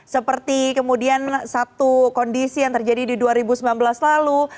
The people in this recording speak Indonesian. seperti kemudian satu kondisi yang terjadi di dua ribu sembilan belas lalu